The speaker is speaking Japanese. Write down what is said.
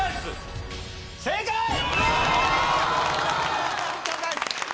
正解！